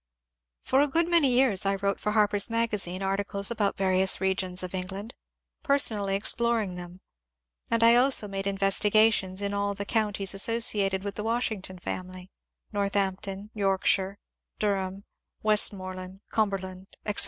For a good many years I wrote for " Harper's Magazine *' articles about various regions of England, personally explor THE ENGLISH CLERGY 326 ing them, and I also made investigations in all the counties associated with the Washington family, — Northampton, York shire, Durham, Westmoreland, Cumberland, etc.